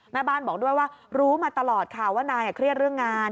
แม่บ้านบอกด้วยว่ารู้มาตลอดค่ะว่านายเครียดเรื่องงาน